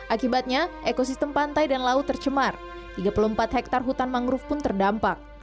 akibatnya ekosistem pantai dan laut tercemar tiga puluh empat hektare hutan mangrove pun terdampak